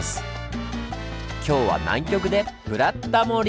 今日は南極で「ブラタモリ」！